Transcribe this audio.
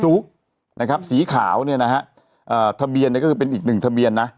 ุ๊กนะครับสีขาวเนี่ยนะฮะเอ่อทะเบียนเนี่ยก็คือเป็นอีกหนึ่งทะเบียนนะ